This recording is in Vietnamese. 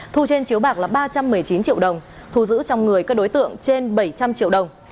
thu trên chiếu bạc là ba trăm một mươi chín triệu đồng thu giữ trong người các đối tượng trên bảy trăm linh triệu đồng